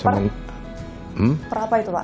per apa itu pak